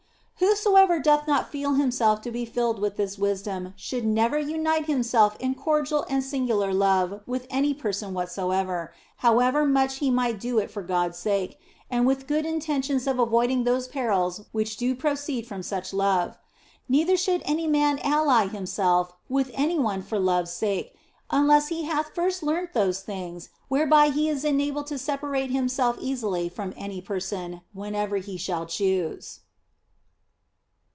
Whosoever doth not feel himself to be filled with this wisdom should never unite himself in cordial and singular love with any person whatsoever, however much he might do it for God s sake, and with good intentions of avoiding those perils which do proceed from such love. Neither should any man ally himself with any one for love s sake, unless he hath first learnt those things whereby he is enabled to separate himself easily from any person when ever he shall choose.